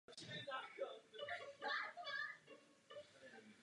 Ale cena výrobku je pro všechny jednotky konstantní na rovnovážné ceně.